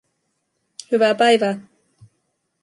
Hyvää päivää